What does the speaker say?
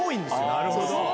なるほど。